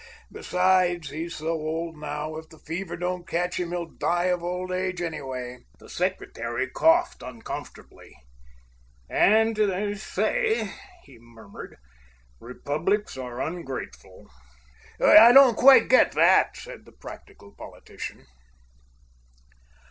Besides, he's so old now, if the fever don't catch him, he'll die of old age, anyway." The Secretary coughed uncomfortably. "And they say," he murmured, "republics are ungrateful." "I don't quite get that," said the practical politician.